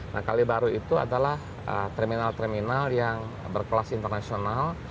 nah kali baru itu adalah terminal terminal yang berkelas internasional